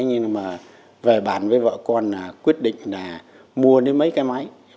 nhưng mà về bàn với vợ con quyết định là mua mấy cái máy